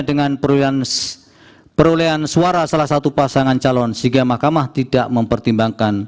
dengan perolehan suara salah satu pasangan calon sehingga mahkamah tidak mempertimbangkan